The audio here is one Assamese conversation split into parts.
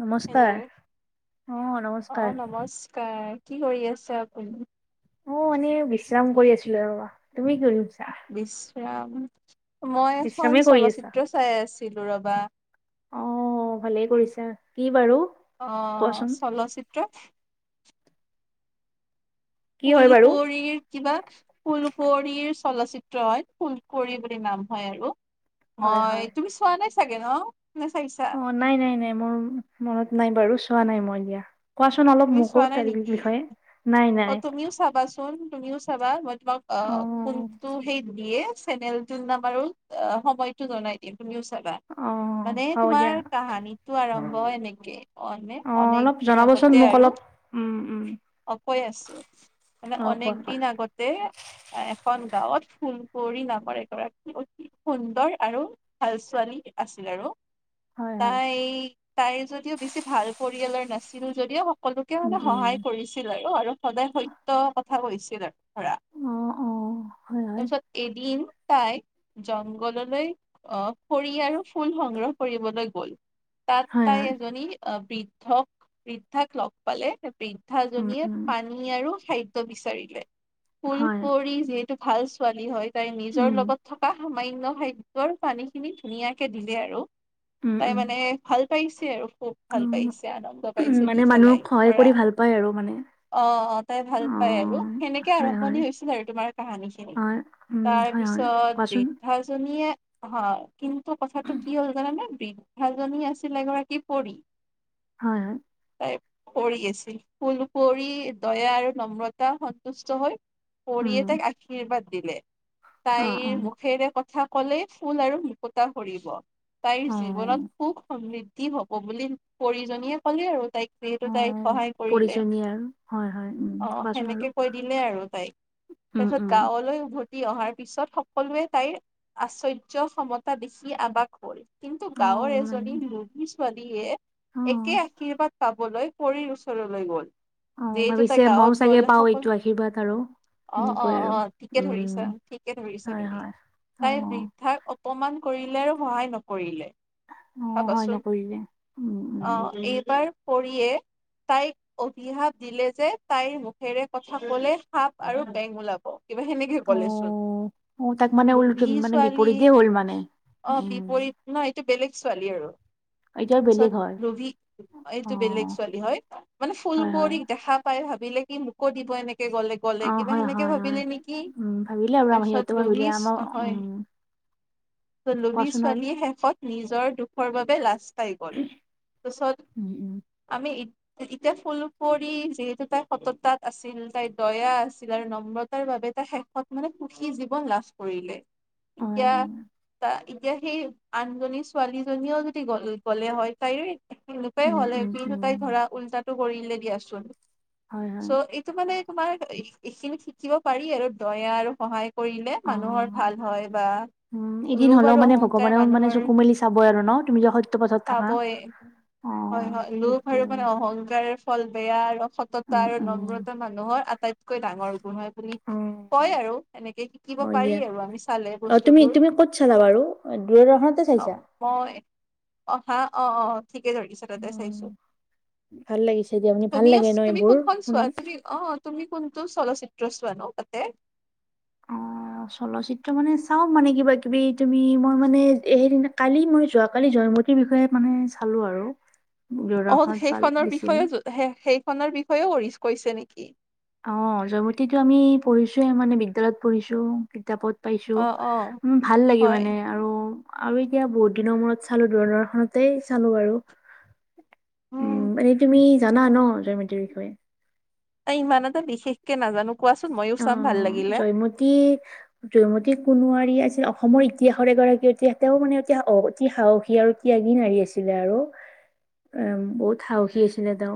নমস্কাৰ হেল্ল', অ নমস্কাৰ অ', নমস্কাৰ। কি কৰি আছে আপুনি? অ', এনে বিশ্ৰাম কৰি আছিলোঁ ৰবা, তুমি কি কৰি আছা? বিশ্ৰাম, মই এখন বিশ্ৰামেই কৰি আছা চলচিত্ৰ চাই আছিলো ৰবা। অ', ভালেই কৰিছা, কি বাৰু? অ', কোৱাচোন চলচিত্ৰ। কি হয় বাৰু ফুলকোঁৱৰিৰ কিবা ফুলকোঁৱৰীৰ চলচিত্ৰ হয়, ফুলকোঁৱৰী বুলি নাম হয় আৰু। হয় হয় অ', তুমি চোৱা নাই চাগে ন', নে চাইছা? অ', নাই, নাই, নাই, মোৰ মনত নাই বাৰু, চোৱা নাই মই দিয়া। কোৱাচোন অলপ তুমি মোকো চোৱা নাই তাৰ নেকি বিষয়ে, নাই, অ নাই। তুমিও চাবাচোন, তুমিও চাবা, মই তোমাক অ কোনটো সেই দিয়ে, চেনেল নাম্বাৰো অ', সময়টো জনাই দিম, তুমিও চাবা। অ মানে হ'ব তোমাৰ দিয়া কাহানীটো আৰম্ভ হয় এনেকে, অনে, অ অনেক অলপ দিন আগত জনাবচোন তে মোক আৰু, অলপ উম উম অ', কৈ আছো, মানে অ কোৱা অনেক কোৱা দিন আগতে এখন গাঁৱত ফুল কোঁৱৰী নমৰ এগৰাকী সুন্দৰ আৰু ভাল ছোৱালী আছিল আৰু। হয় হয় তাই, তাইৰ যদিও বেছি ভাল পৰিয়ালৰ নাছিল যদিও সকলো সকলোকে উম মানে সহায় উম কৰিছিল আৰু, আৰু সদায় সত্য কথা কৈছিল আৰু পোৰা, অ অ হয় হয় তাৰপিছত এদিন তাই জংঘললৈ, আহ খৰি আৰু ফুল সংগ্ৰহ কৰিবলৈ গ'ল। তাত হয় তাই হয় এজনী, আহ বৃদ্ধ বৃদ্ধাক লগ পালে, উম বৃদ্ধাজনীয়ে উম পানী আৰু খাদ্য বিচাৰিলে। হয় ফুলকোঁৱৰী যিহেতু ভাল ছোৱালী হয়, তাই নিজৰ উম, লগত থকা খাদ্যৰ পানী খিনি ধুনীয়াকে দিলে আৰু, উম, তাই উম, মানে ভাল পাইছে আৰু খুব ভাল অ', পাইছে, আনন্দ পাইছে, দি মানে মানুহক পেলাই সহায় ধৰা কৰি ভাল পায় আৰু মানে। অ', তাই ভাল অ', পায় আৰু, সেনেকে হয়, হয়, আৰম্ভণি হৈছিল আৰু তোমাৰ কাহানী খিনি। হয়, উম, হয়, হয়, তাৰপিছত, কোৱাচোন বৃদ্ধাজনীয়ে হয়, কিন্তু কথাটো কি হ'ল জানানে, বৃদ্ধাজনী আছিল এগৰাকী পৰী। হয় হয়। কৰি আছিল, ফুল কৰি দয়া আৰু নম্ৰতা সন্তুষ্ট হৈ উম, পৰিতে তাইক আশীৰ্বাদ দিলে, অ', তাইৰ অ', মুখেৰে কথা কলেই ফুল আৰু মুকুতা খৰিব, তাইৰ জীৱনত অ', সুখ সমৃদ্ধি হ'ব বুলি পৰিজনীয়ে ক'লে আৰু তাইক। যিহেতু তাইক অ', সহায় কৰিলে, পৰিজনীয়ে আৰু হয়, হয়, উম, অ' কোৱাচোন সেনেকে অলপ কৈ দিলে আৰু তাইক। উম, শেষত উম, গাঁৱলৈ উভতি অহাৰ পিছত, সকলোৱে তাইৰ আশ্চৰ্য ক্ষমতা দেখি আবাস হ'ল। কিন্তু গাঁৱৰ অ', মানে এজনী লভী ছোৱালীয়ে, একে অ', আশীৰ্বাদ পাবলৈ পৰিৰ ওচৰলৈ গ'ল, অ', যিহেতু ভাবিছে তাই মইও গাঁৱত চাগে গল পাওঁ সকলো এইটো আশীৰ্বাদ আৰু অ' সেনেকৈ অ', আৰু অ', ঠিকে উম, ধৰিছা, ঠিকে ধৰিছা হয়, তুমি, হয়, তাই অ', বৃদ্ধা অপমান কৰিলে আৰু সহায় নকৰিলে। অ', হয়, চাবাচোন, নকৰিলে উম, উম। অ' এইবাৰ পৰিয়ে তাইক অভিহাপ দিলে যে, তাইৰ মুখেৰে কথা ক'লে সাপ আৰু বেঙ ওলাব। কিবা সেনেকে ক'লেচোন। অ', অ', তাক মানে উল লোভি মানে ছোৱালী, বিপৰীতেই হ'ল মানে। অ' উম, বিপৰীত নহয় এইটো বেলেগ ছোৱালী আৰু। এতিয়া বেলেগ পিছত হ'য়। লোভি এইটো বেলেগ অ', ছোৱালী হয়, মানে হয়, হয়। ফুলকুবৰীক দেখা পাই ভাবিলে কি মোকো দিব এনেকে গ'লে ক'লে অ', কিবা হয়, সেনেকে হয়, হয়, ভাবিলে নেকি, উম, ভাবিলে আৰু তাৰ আমাৰ সিহঁতেও পিছত ভাবিলে লোভি আমাৰ হয় উম, লভী কোৱাচোন আৰু। ছোৱালীয়ে শেষত নিজৰ দুখৰ বাবে লাজ পাই গল, তাৰপিছত [inaudible] [unintelligible] এতিয়া ফুলকুবৰী যিহেতু তাই সততাত আছিল, তাইৰ দয়া আছিল, আৰু নম্ৰতাৰ তাই শেষ মানে সুখী জীৱন লাভ কৰিলে, এতিয়া, অ', তা এতিয়া সেই আনজনী ছোৱালীজনীও যদি গল গ'লে হয়, তাই উম, হ'লে উম, কিন্ত, উম, তাই ধৰা উল্টাটো কৰিলে দিয়াচোন, হয়, হয়, চ' টো মানে তোমাৰ এইখিনি শিকিব পাৰি আৰু, দয়া আৰু সহায় কৰিলে মানুহৰ অ'। ভাল হয় বা উম, এদিন লোভ হলেওঁ আৰু মানে অহংকাৰ ভগৱানেও মানে মানুহৰ চকু মেলি চাব আৰু ন, তুমি যদি সত্য পথত থাকা। চাবই হয় অ', হয়, লোভ সেইটোৱে আৰু মানে অহংকাৰ ফল বেয়া আৰু উম, আৰু উম, নম্ৰতা মানুহৰ আটাইতকৈ ডাঙৰ গুণ হয় বুলি অ'। কয় আৰু, এনেকে শিকিব হয় দিয়া, পাৰি আৰু আমি চালে অ', বস্তু তুমি তুমি ক'ত চালা বাৰু? দূৰদৰ্শনতে অ চাইছা? মই অ' হা, অ', অ' ঠিকে ধৰিছে। তাতে চাইছোঁ। ভাল লাগিছে দিয়া শুনি ভাল তুমি, লাগে ন তুমি এইবোৰ কোনখন শুনি। চোৱা? তুমি অ' তুমি কোনখন চলচিত্ৰ চোৱানো তাতে? অ', চলচিত্ৰ মানে চাওঁ মানে কিবা কিবি তুমি মই মানে সেইদিনা, কালি মই যোৱাকালি জয়মত তিৰ বিষয়ে মানে চালোঁ আৰু দৰাখন পাল দিছিলে। সে-সেইখনৰ বিষয়েও কৰিছ কৈছে নেকি? অ' জয়মতীটো আমি পঢ়িছোঁয়ে মানে বিদ্যালয়ত পঢ়িছোঁ। কিতাপত অ পাইছোঁ। অ উম, ভাল লাগে হয় মানে। আৰু আৰু এতিয়া বহুত দিনৰ মূৰত চালোঁ, দূৰদৰ্শনতেই চালোঁ বাৰু। উম, এনে তুমি জানা ন' জয়মতীৰ বিষয়ে? এ, ইমান এটা বিশেষকে নাজানো, কোৱাচোন ময়ো চাম ভাল লাগিলে। মতী জয়মতী কোনৱাৰী আছিল অসমৰ ইতিহাসৰ এগৰাকী অতি, তেওঁ মানে অতি স, অতি সাহসী আৰু ত্যাগী নাৰী আছিলে আৰু, উম, বহুত সাহসী আছিলে তেওঁ।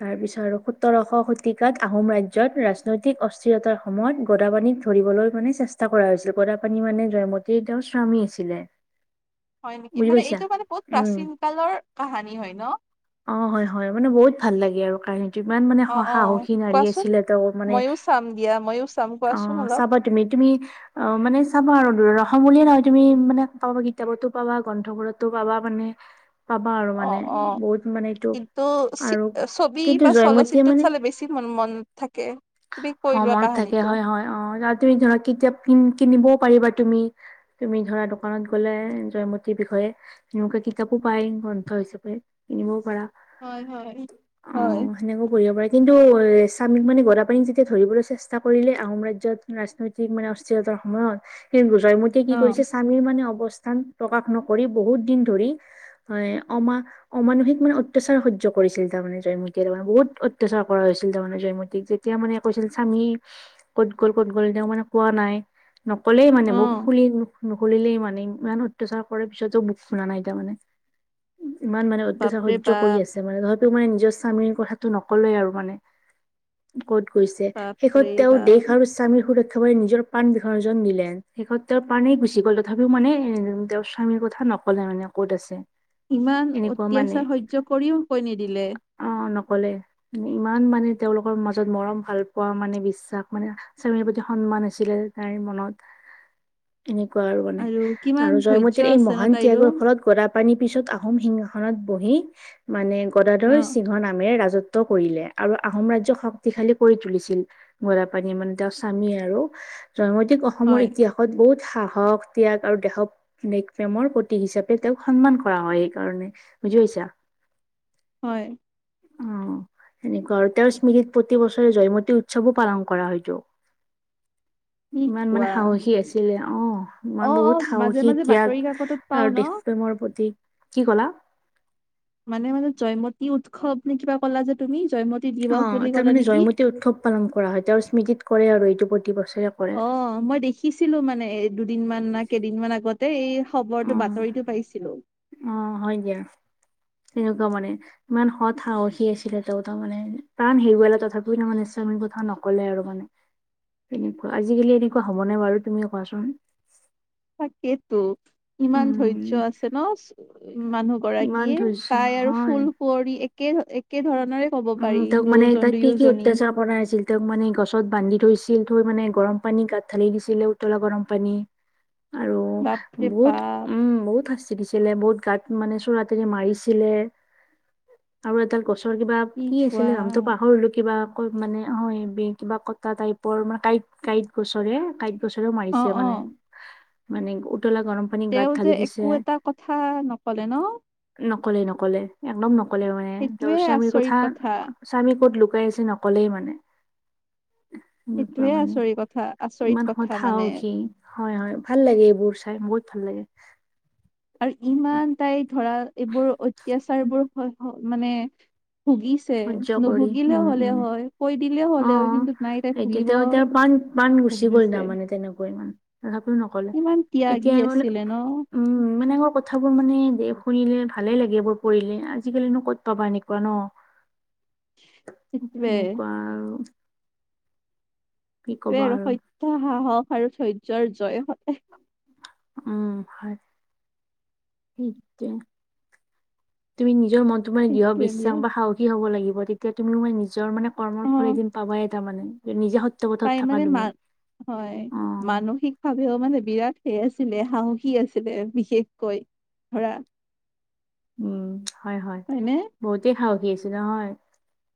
তাৰপিছত আৰু সোতৰশ শতিকাত আহোম ৰাজ্যত ৰাজনৈতিক অচ [unintelligible] সময়ত গদাপানীক ধৰিবলৈ মানে চেষ্টা কৰা হৈছিলে, গদাপানী মানে জয়মতীৰ তেওঁৰ স্বামী আছিলে। [inaudible] হয় নেকি? বুজি মানে পাইছা? এইটো মানে বহুত উম, প্ৰাচীন কালৰ কাহানী হয় ন'? অ' হয় হয় মানে বহুত ভাল লাগে আৰু কাহিনীটো, ইমান মানে অ অ সাহসী নাৰী কোৱাচোন? আছিলে তেওঁ মানে মইয়ো চাম দিয়া, ময়ো অ' চাবা তুমি, তুমি অ' মানে চাবা আৰু দূৰৰ অসম বুলিয়ে নহয় তুমি মানে পাবা কিতাপতো পাবা, গ্ৰন্থবোৰত তো পাবা মানে। পাবা আৰু মানে অ', অ' বহুত মানে এইটো কিন্তু আৰু ছবি কিন্তু বা জয়মতীয়ে চলচিত্ৰত মানে চালে বেছি মন মন থাকে। তুমি হ, কৈ লোৱা মনত থাকে কাহানীটো। হয় হয় অ', আৰু তুমি ধৰা কিতাপ কিনিবও পাৰিবা তুমি। তুমি ধৰা দোকানত গ'লে জয়মতীৰ বিষয়ে তেনেকুৱা কিতাপো পায় গ্ৰন্থ হিচাপে, কিনিবও পাৰা। হয় হয় হয় অ' সেনেকৈ পঢ়িব পাৰে কিন্তু স্বামীক মানে গদাপানীক যেতি ধৰিবলৈ চেষ্টা কৰিলে আহোম ৰাজ্যত ৰাজনৈতিক মানে অস্থিৰতাৰ সময়ত [unintelligible] জয়মতীয়ে কি অ কৰিছে স্বামীৰ মানে অৱস্থান প্ৰকাশ নকৰি বহুত দিন ধৰি হয়, অমা অমানসিক মানে অত্যাচাৰ সহ্য কৰিছিল, তাৰমানে জয়মতীয়ে তাৰমানে বহুত অত্যাচাৰ কৰা হৈছিল তাৰমানে জয়মতীক যেতিয়া মানে কৈছিল স্বামী ক'ত গ'ল গ'ল, তেওঁ মানে কোৱা নাই, নক'লেই মানে অ মুখ খুলি নুখুলিলেই মানে ইমান অত্যাচাৰ কৰে পিছতো মুখ খোলা নাই তাৰমানে। ইমান মানে অত্যাচাৰ বাপৰে সহ্য কৰি বাপ আছে। তাৰমানে ধৰা তোমাৰে নিজৰ স্বামীৰ কথাটো নক'লেই মানে ক'ত হৈছে শেষত বাপৰে তেওঁ বাপ দেশ আৰু স্বামীৰ সুৰক্ষাৰ বাবে নিজৰ প্ৰাণ বিসৰ্জন দিলে, শেষত তেওঁৰ প্ৰানেই গুচি গ'ল তথাপিও মানে এ, তেওঁ স্বামীৰ কথা নক'লে মানে ক'ত আছে। ইমান এনেকুৱা মানে অত্যাচাৰ সহ্য কৰিও কৈ নিদিলে। অ' নক'লে, ইমান মানে তেওঁলোকৰ মাজত মৰম ভাল পোৱা মানে বিশ্বাস, মানে স্বামীৰ প্ৰতি সন্মান আছিলে তাইৰ মনত। এনেকুৱা আৰু মানে কিমান আৰু ধৈৰ্য্য জয়মতীৰ এই আছে ন মহান তাইৰো ত্যাগৰ ফলত গদা পানী পিছত আহোম সিংহাসনত বহি মানে ন গদাধৰ সিংহ নামেৰে ৰাজত্ব কৰিলে আৰু আহোম ৰাজ্যক শক্তিশালী কৰি তুলিছিল গদাপানীয়ে মানে তেওঁৰ স্বামী আৰু জয়মতিক অসমৰ হয় ইতিহাস বহুত সাহস ত্যাগ আৰু দেশক দেশ প্ৰেমৰ প্ৰতীক হিচাপে তেওঁক সন্মান কৰা হয় সেইকাৰণে বুজি পাইছা। হয়। অ এনেকুৱা আৰু তেওঁৰ স্মৃতিত প্ৰতি বছৰে জয়মতী উৎসৱো পালন কৰা হয়তো। কি ইমান মানে কোৱা। সাহসী আছিলে অ অ অ বহুত মাজে সাহসী মাজে ত্যাগ। বাতৰি কাকতত পাও আৰু ন দেশ প্ৰেমৰ প্ৰতি কি কলা? মানে মানে জয়মতী উৎসৱ নে কিবা কলা যে তুমি জয়মতী? অ দিৱস বুলি তাৰ ক'লা মানে নেকি জয়মতী উৎসৱ পালন কৰা হয় তেওঁৰ আৰু স্মৃতিত কৰে আৰু এইটো প্ৰতি বছৰে। কৰে অ মই দেখিছিলো মানে দুদিন মান না কেইদিনমান আগত। এই খবৰটো অ বাতৰিটো পাইছিলো। অ হয় দিয়া তেনেকুৱা মানে। ইমান সৎ সাহসী আছিলে তেওঁ তাৰ মানে প্ৰাণ হেৰুৱালে তথাপিও তাৰমানে স্বামীৰ কথা নক নকলে আৰু মানে তেনেকুৱা আজিকালি এনেকুৱা হ'ব নে বাৰু তুমি কোৱাচোন? তাকেতো ইমান ধৈৰ্য্য উম আছে মানুহ ইমান গৰাকীয়ে ধৈৰ্য তাই আৰু হয় ফুল কুঁৱৰি একে একে ধৰণৰে ক'ব উম পাৰি তেওঁক মানে দুয়োজন তাইক কি কি দুয়োজনী অত্যচাৰ কৰাই আছিল? তেওঁক মানে গছত বান্ধি থৈছিল থৈ মানে গৰম পানী গাত ঢালি দিছিলে উতলা গৰম পানী। আৰু বাপৰে বহুত বাপ উম বহুত শাস্তি তি দিছিলে বহুত গাত মানে চোৰাতেৰে মাৰিছিলে আৰু এডাল গছৰ কিবা কি আছিলে নামটো পাহৰিলো কিবা মানে হয় কিবা কঁটা টাইপৰ মানে কাঁইট কাঁইট গছৰে কাঁইট গছেৰেও অ মাৰিছে অ মানে মানে উতলা গৰম পানী গাত তেওঁ যে ঢালি দিছে একো এটা কথা নকলে ন। নকলে নকলে একদম নকলে মানে সেইটোৱে তেওঁৰ স্বামীৰ আচৰিত কথা। স্বামী ক'ত লুকাই আছে নকলেই মানে। এনেকুৱা সেইটোয়ে মানে আচৰি কথা আচৰিত ইমান কথা সৎ মানে সাহসী। হয় হয় ভাল লাগে এইবোৰ চাই বহুত ভাল লাগে। আৰু ইমান তাই ধৰা এইবোৰ অত্যাচাৰবোৰ স মানে ভুগিছে সহ্য কৰি নুভুগিলেও উম হ'লে উম হয় কৈ দিলেও অ হ'লে হয় কিন্তু নাই তাই এতিয়া ভুগিব। তেওঁ তেওঁৰ প্ৰাণ প্ৰাণ গুচি গ'ল ভুগিছে তাৰমানে তেনেকৈ মানে তথাপিও নকলে ইমান এতিয়া ত্যাগী বোলে আছিলে ন। উম এনেবোৰ কথাবোৰ মানে শুনিলে ভালে লাগে এইবোৰ পঢ়িলে আজিকালিনো ক'ত পাবা এনেকুৱা ন। সেইটোৱে সেনেকুৱা আৰু। কি কবা সেইটোৱেই আৰু সত্যই সাহস আৰু ধৈৰ্য্যৰ জয় হয়। উম হয়। তুমি নিজৰ মত তোমাৰ দৃঢ় সেইটোৱে দিয়া বিশ্বাস বা সাহসী হ'ব লাগিব তেতিয়া তুমি মানে নিজৰ মানে কৰ্মৰ অ ফল এদিন পাবাই। তাৰমানে নিজে স তাইৰ মানে মা হয়। মানসিক ভাৱেও মানে বিৰাট সে আছিলে সাহসী আছিলে বিশেষকৈ। ধৰা উম হয় হয়, হয়নে বহুতেই সাহসী আছিলে হয়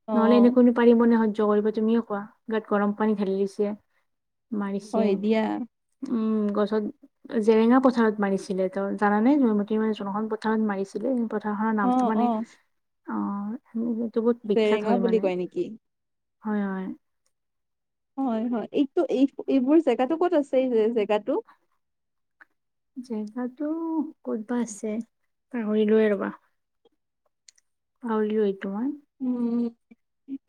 অ নহলে এনেকৈ পাৰিবনে সহ্য কৰিব তুমিয়ে কোৱা গাত গৰম পানী ঢালি দিছে। মাৰিছে, হয় দিয়া উম গছত জেৰেঙা পথাৰত মাৰিছিলে ত জানানে জয়মতী মানে যোনখন পথাৰত মাৰিছি পথাৰখনৰ অ নামটো অ মানে অ এইটো বহুত বিখ্যাত জেৰেঙা হয় বুলি মানে কয় নেকি হয় হয়। হয় হয় এইটো এই এইবোৰ জেগাটো ক'ত আছে এই জেগাটো? জেগাতো ক'তবা আছে পাহৰিলোয়েই ৰবা। পাহৰিলোঁ এইটো মই। উম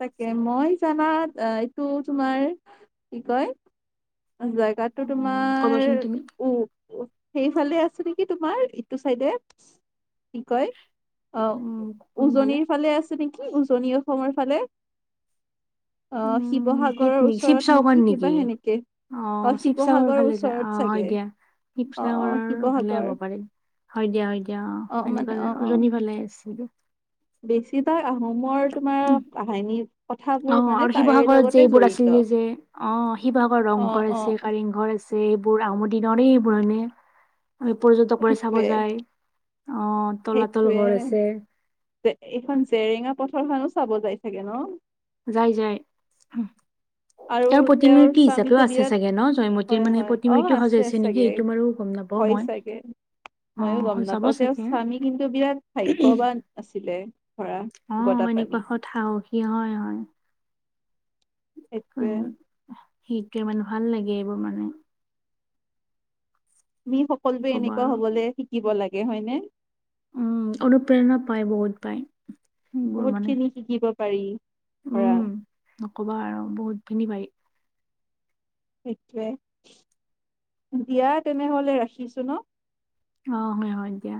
তাকে মই জানাত এইটো তোমাৰ কি কয় জেগাতো উম তোমাৰ কবাচোন তুমি উ সেইফালে আছে নেকি তোমাৰ এইটো চাইডে, কি কয় উম অহ কোনফালে উজনিৰ ফালে আছে নেকি উজনি অসমৰ ফালে। অ উম শিৱসাগৰৰ সেইখিনি ওচৰত শিৱসাগৰখন নেকি? কিবা সেনেকে অ শিৱসাগৰৰ ফালে যায় অ হয় দিয়া, অ অ শিৱসাগৰৰ ফালে শিৱসাগৰ হব পাৰে। হয় দিয়া হয় দিয়া অ এনেকুৱা উজনী ফালে আছিলে। বেছি তাই-আহোমৰ তোমাৰ কাহিনী অ কথাবোৰ মানে আৰু তাৰে শিৱসাগৰত যে লগতে এইবোৰ আছিল জড়িত। যে অ শিৱসাগৰ অ', ৰংঘৰ আছে অ', কাৰেংঘৰ আছে এইবোৰ আহোমৰ দিনৰে এইবোৰ মানে। পৰ্যটকবোৰে চাব সেইটোয়ে যায়, অ তলাতল সেইটোয়ে ঘৰ আছে। এইখন জেৰেঙা পথাৰ খনো চাব যায় চাগে ন? যাই যাই। আৰু তেওঁৰ প্ৰতিমূৰ্তি হিচাপেও স্বামীটো আছে বিৰাট চাগে ন, হয় জয়মতীৰ মানে হয় অ', প্ৰতিমূৰ্তিও আছে সজাইছে চাগে নেকি এইটো বাৰু গম নাপাওঁ। হয় চাগে। ময়ো গম সজাব নাপাওঁ তেওঁৰ চাগে স্বামী কিন্তু বিৰাট ভাগ্যৱান আছিলে। ধৰা অ গদাপাণি এনেকুৱা সত সাহসী হয় হয়। [unintelligible] সেইটোয়ে সেইটোৱে মানে ভাল লাগে এইবোৰ মানু্হ। সি কি সকলোৱে ক'বা এনেকুৱা আৰু হবলৈ শিকিব লাগে, হয় নে? উম অনুপ্ৰেৰণা পায় বহুত পায়। সেইবোৰ মানে বহুতখিনি শিকিব পাৰি ধৰা। উম নকবা আৰু বহুতখিনি পাৰি। সেইটোৱে দিয়া তেনেহলে ৰাখিছো ন? অ হয় হয় দিয়া।